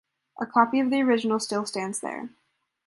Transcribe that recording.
A copy of the original still stands there.